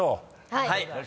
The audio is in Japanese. はい。